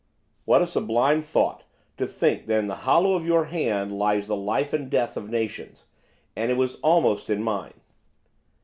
What a sublime thought to think that in the hollow of your own hand lies the life and death of nations, and it was almost in mine.